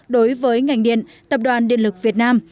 đối với ngành điện tập đoàn điện lực việt nam